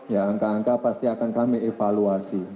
ya angka angka pasti akan kami evaluasi